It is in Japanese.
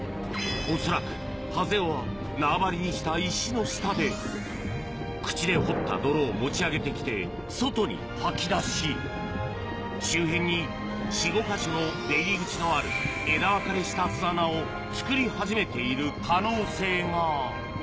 恐らくハゼは縄張りにした石の下で口で掘った泥を持ち上げてきて外に吐き出し周辺に４５か所の出入り口のある枝分かれした巣穴を作り始めている可能性が。